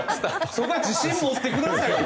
そこは自信持ってくださいよ！